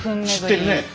知ってるねえ。